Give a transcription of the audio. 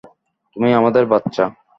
তুমি আমাদের বাচ্চা।